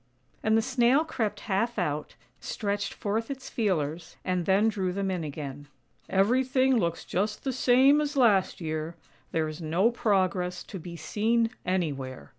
And the Snail crept half out, stretched forth its feelers, and then drew them in again. " Everything looks just the same as last year; there is no progress to be seen anywhere.